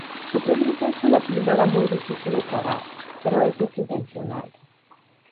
Su premisa es una píldora muy difícil de tragar, pero eso es intencional.